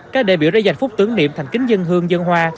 các đại biểu đã giành phúc tướng niệm thành kính dân hương dân hoa